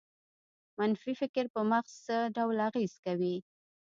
منفي فکر په مغز څه ډول اغېز کوي؟